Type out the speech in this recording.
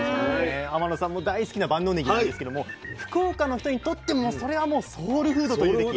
天野さんも大好きな万能ねぎなんですけども福岡の人にとってもそれはもうソウルフードというべき。